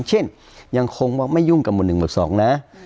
เช่นยังคงว่าไม่ยุ่งกับหมวด๑หมวด๒นะ